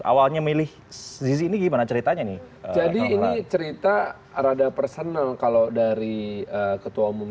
awalnya milih zizi ini gimana ceritanya nih jadi ini cerita rada personal kalau dari ketua umum